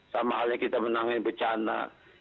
sama hal yang kita menangani becana